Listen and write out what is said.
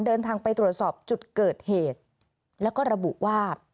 เดินทางไปตรวจสอบจุดเกิดเหตุแล้วก็ระบุว่า